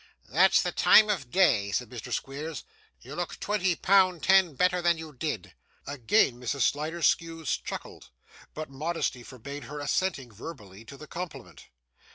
'That's the time of day!' said Mr. Squeers. 'You look twenty pound ten better than you did.' Again Mrs. Sliderskew chuckled, but modesty forbade her assenting verbally to the compliment.